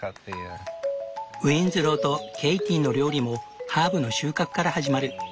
ウィンズローとケイティの料理もハーブの収穫から始まる。